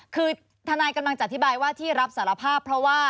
คือทนายกำลังจะอธิบายว่าที่รับสารภาพเพราะว่า